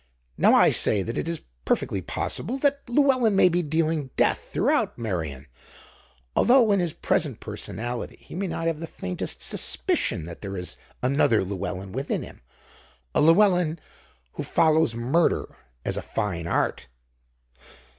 "Now I say that it is perfectly possible that Llewelyn may be dealing death throughout Meirion, although in his present personality he may not have the faintest suspicion that there is another Llewelyn within him, a Llewelyn who follows murder as a fine art."